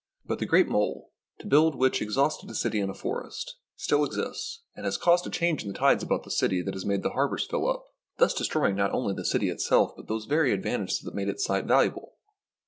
But the great mole, to build which " exhausted a city and a forest," still exists, and has caused a change in the tides about the city that has made the harbours fill up, thus THE BOOK OF FAMOUS SIEGES destroying not only the city itself, but those very advantages that made its site valuable.